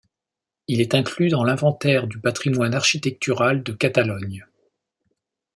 Il est inclus dans l'Inventaire du patrimoine architectural de Catalogne.